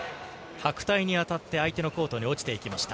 はくたいに当たって相手のコートに落ちていきました。